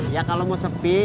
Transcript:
ya kalau mau sepi